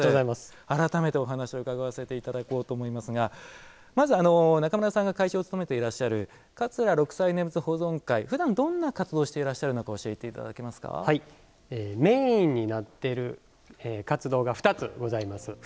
改めてお話を伺わせていただこうと思いますがまず、中村さんが会長を務めていらっしゃる桂六斎念仏保存会ふだん、どんな活動をしていらっしゃるのかメインになってる活動が２つございます。